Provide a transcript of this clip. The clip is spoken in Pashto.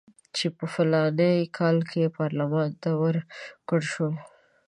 چې په فلاني کال کې پارلمان ته ورکړل شوي.